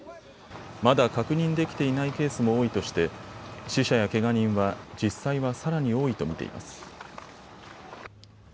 まだ確認できていないケースも多いとして死者やけが人は実際はさらに多いと見ています。